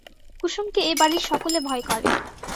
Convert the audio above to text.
কুসুমকে এ বাড়ির সকলে ভয় করে।